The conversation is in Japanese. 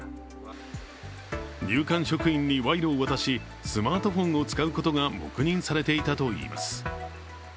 入管職員に賄賂を渡しスマートフォンを使うことが黙認されていたといいます。